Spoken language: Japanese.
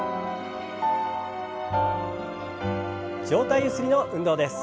上体ゆすりの運動です。